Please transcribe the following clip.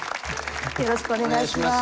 よろしくお願いします。